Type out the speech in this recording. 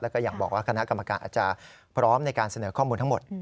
แล้วก็อย่างบอกว่าคณะกรรมการอาจจะพร้อมในการเสนอข้อมูลทั้งหมด